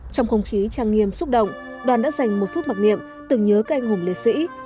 trong không khí trang nghiêm xúc động đoàn đã dành một phút mặc niệm tưởng nhớ các anh hùng liệt sĩ